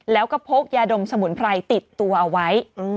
แล้วก็พกยาดมสมุนไพรติดตัวเอาไว้